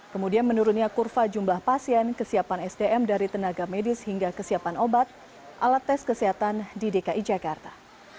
kemudian menurunnya kurva jumlah pasien kesiapan sdm dari tenaga medis hingga kesiapan obat alat tes kesehatan di dki jakarta